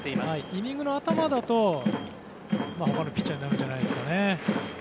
イニングの頭だと他のピッチャーになるんじゃないでしょうかね。